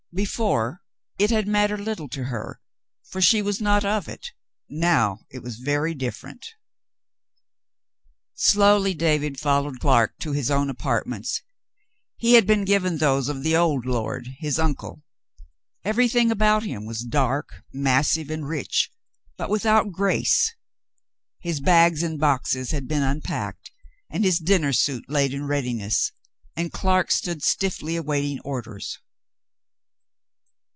Before, it had mattered little to her, for she was not of it. Now it was very different. Slowly David followed Clark to his own apartments. He had been given those of the old lord, his uncle. Every thing about him was dark, massive, and rich, but without grace. His bags and boxes had been unpacked and his dinner suit laid in readiness, and Clark stood stiffly await ing orders.